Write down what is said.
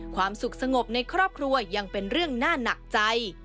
ความสุขสงบในครอบครัวยังเป็นเรื่องน่าหนักใจ